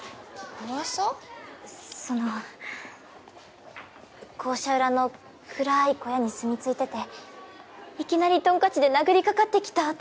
その校舎裏の暗い小屋に住み着いてていきなりトンカチで殴りかかってきたとか。